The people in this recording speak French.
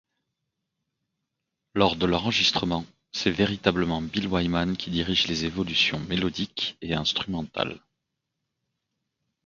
Lors de l'enregistrement, c'est véritablement Bill Wyman qui dirige les évolutions mélodiques et instrumentales.